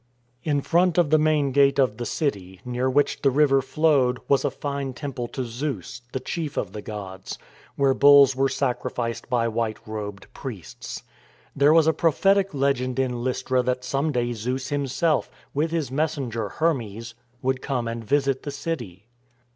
In front of the main gate of the city, near which the river flowed, was a fine temple to Zeus — the chief of the gods — where bulls were sacrificed by white robed priests. There was a prophetic legend in Lystra that' some day Zeus himself, with his messenger Hermes, would come and visit the city.